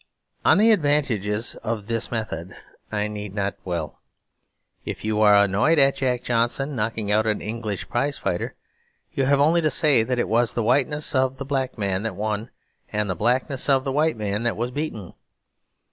On the advantages of this method I need not dwell: if you are annoyed at Jack Johnson knocking out an English prize fighter, you have only to say that it was the whiteness of the black man that won and the blackness of the white man that was beaten.